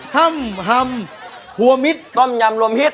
ฮัมฮัมฮัมหัวมิดต้มยำรวมมิท